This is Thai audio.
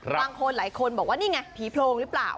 บางคนหลายคนบอกว่านี่ไงผีโพรงหรือเปล่า